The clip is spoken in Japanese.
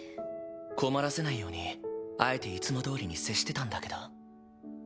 困らせないようにあえていつもどおりに接してたんだけど。